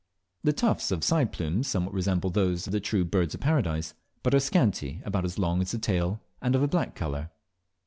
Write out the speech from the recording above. The tufts of side plumes somewhat resemble those of the true Birds of Paradise, but are scanty, about as long as the tail, and of a black colour.